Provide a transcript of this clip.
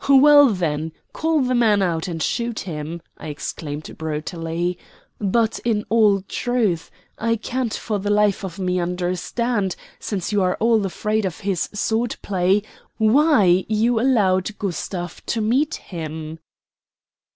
"Well, then, call the man out and shoot him!" I exclaimed brutally. "But, in all truth, I can't for the life of me understand, since you are all afraid of his sword play, why you allowed Gustav to meet him."